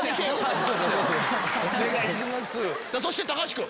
そして橋君。